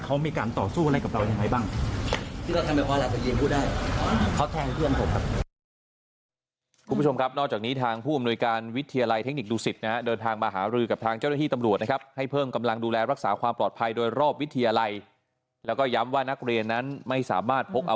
ว่าอะไรก็ยินพูดได้เขาแทงเพื่อนผมครับ